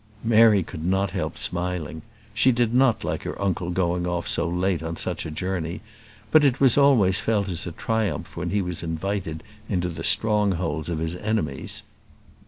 Mary could not help smiling. She did not like her uncle going off so late on such a journey; but it was always felt as a triumph when he was invited into the strongholds of his enemies.